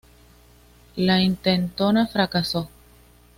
La intentona fracasó.